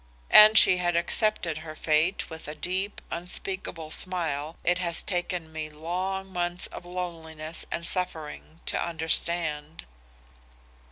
And she had accepted her fate with a deep unspeakable smile it has taken me long months of loneliness and suffering to understand.